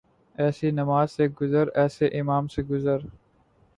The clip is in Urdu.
ایسی نماز سے گزر ایسے امام سے گزر